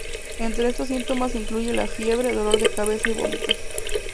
Entre estos síntomas se incluye la fiebre, dolor de cabeza y vómitos.